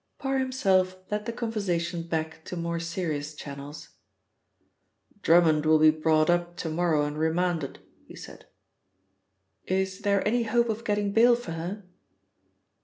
Parr himself led the conversation back to more serious channels. "Drummond will be brought up to morrow and remanded," he said. "Is there any hope of getting bail for her?"